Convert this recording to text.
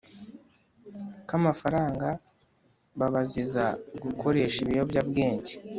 k’amafaranga babaziza gukoresha ibiyobyabwenge.